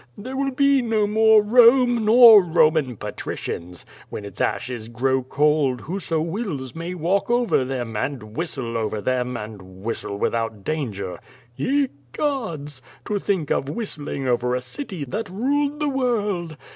There will l)c no more Rome, nor Roman patricians! When its ashes grow cold, whoso wills may walk over them, and whistle over them, and whistle without danger. Ye gods! To think of whis tling over a city that ruled the world.